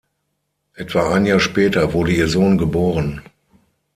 Etwa ein Jahr später wurde ihr Sohn geboren.